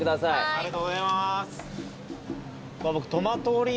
ありがとうございます。